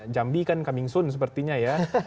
jambi kan coming soon sepertinya ya